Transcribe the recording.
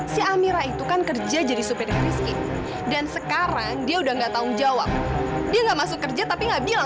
sampai jumpa di video selanjutnya